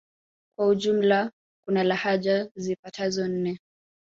Kwa ujumla kuna lahaja zipatazo nne